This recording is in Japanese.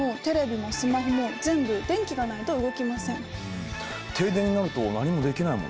停電になると何もできないもんなあ。